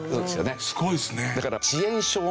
すごいですね。